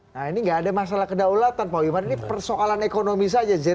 nah ini tidak ada masalah kedaulatan pak wimar ini persokalan ekonomi saja zee